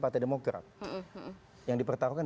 partai demokras yang dipertaruhkan